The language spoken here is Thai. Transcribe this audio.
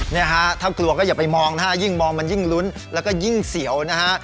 เนี่ยฮะถ้ากลัวก็อย่าไปมองนะฮะยิ่งมองมันยิ่งลุ้นแล้วก็ยิ่งเสียวนะฮะ